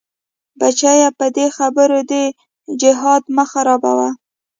بچيه په دې خبرو دې جهاد مه خرابوه.